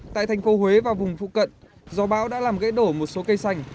tại thành phố huế và vùng phụ cận gió bão đã làm gãy đổ một số cây xanh